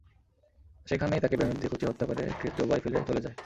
সেখানেই তাঁকে বেয়নেট দিয়ে খুঁচিয়ে হত্যা করে একটি ডোবায় ফেলে চলে যায়।